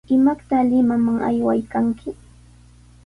¿Imaqta Limaman aywaykanki?